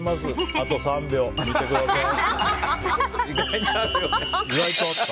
あと３秒、見てください。